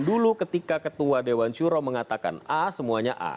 dulu ketika ketua dewan syuro mengatakan a semuanya a